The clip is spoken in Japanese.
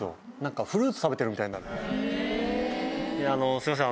すいません